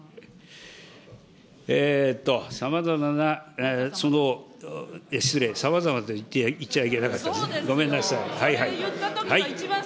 さまざまなその、失礼、さまざまと言っちゃいけなかったですね、ごめんなさい。